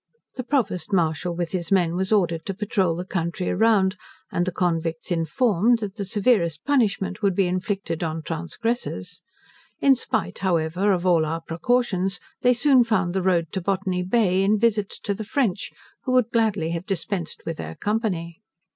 The Provost Martial with his men was ordered to patrole the country around, and the convicts informed, that the severest punishment would be inflicted on transgressors. In spite, however, of all our precautions, they soon found the road to Botany Bay, in visits to the French, who would gladly have dispensed with their company.